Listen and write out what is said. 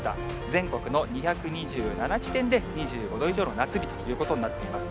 全国の２２７地点で、２５度以上の夏日ということになっています。